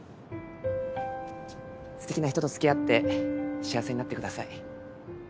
素敵な人と付き合って幸せになってください。